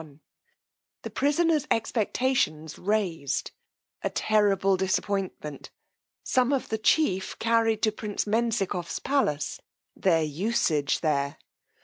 _The prisoners expectations raised: a terrible disappointment: some of the chief carried to prince Menzikoff's palace: their usage there.